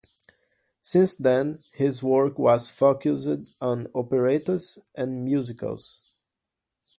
Since then his work has focused on operettas and musicals.